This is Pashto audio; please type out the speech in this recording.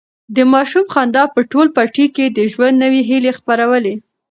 د ماشوم خندا په ټول پټي کې د ژوند نوي هیلې خپرولې.